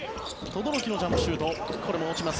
轟のジャンプシュートこれも落ちます。